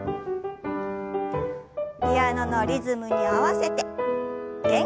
ピアノのリズムに合わせて元気よく。